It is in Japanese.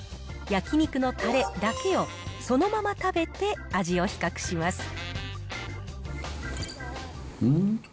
焼肉のたれだけをそのまま食べて味を比較します。